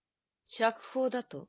釈放だと？